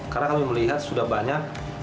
karena kami melihat sudah banyak